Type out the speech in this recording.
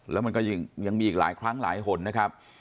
แล้วมันก็ยังมีอีกหลายครั้งหลายหนนะครับ